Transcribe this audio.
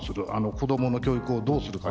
子どもの教育をどうするか。